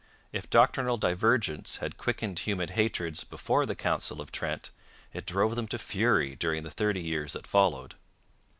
If doctrinal divergence had quickened human hatreds before the Council of Trent, it drove them to fury during the thirty years that followed.